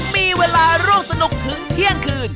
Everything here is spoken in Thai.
มีเวลาร่วมสนุกถึงเที่ยงคืน